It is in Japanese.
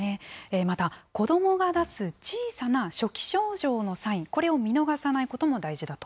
また、子どもが出す小さな初期症状のサイン、これを見逃さないことも大事だと。